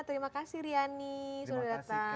terima kasih riani sudah datang